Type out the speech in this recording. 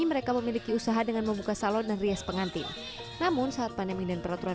mereka memiliki usaha dengan membuka salon dan rias pengantin namun saat pandemi dan peraturan